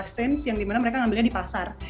exchange yang dimana mereka ngambilnya di pasar